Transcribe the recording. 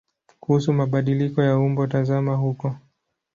Kuhusu mabadiliko ya umbo tazama huko.